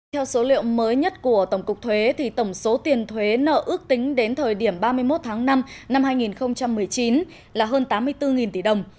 theo số liệu mới nhất của tổng cục thuế tổng số tiền thuế nợ ước tính đến thời điểm ba mươi một tháng năm năm hai nghìn một mươi chín là hơn tám mươi bốn tỷ đồng